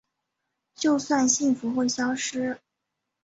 就算幸福会消失